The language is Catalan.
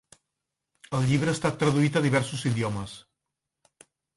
El llibre ha estat traduït a diversos idiomes.